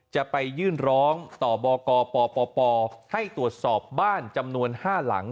จะไปยื่นร้องต่อบกปปให้ตรวจสอบบ้านจำนวน๕หลัง